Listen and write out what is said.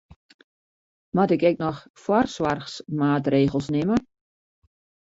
Moat ik ek noch foarsoarchmaatregels nimme?